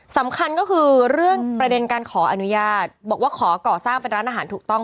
สำคัญก็คือเรื่องประเด็นการขออนุญาตบอกว่าขอก่อสร้างเป็นร้านอาหารถูกต้อง